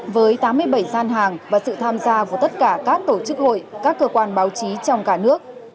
với tám mươi bảy gian hàng và sự tham gia của tất cả các tổ chức hội các cơ quan báo chí trong cả nước